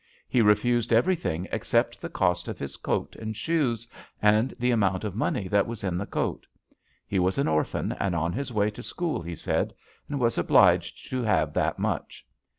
He refused everything except the cost of his coat and shoes, and the amount of money that was in the coat. He was an orphan and on his way to school, he said, and was obliged to have that much.